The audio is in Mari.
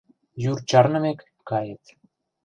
Йӱр чарнымек, кает...